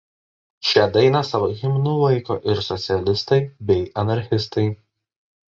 Šią dainą savo himnu laiko ir socialistai bei anarchistai.